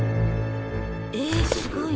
えすごいね。